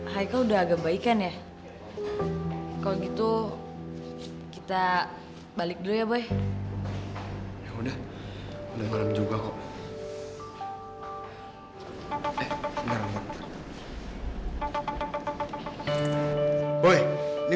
haikal udah agak baikan ya